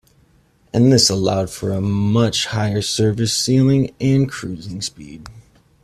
This allowed for a much higher service ceiling and cruising speed.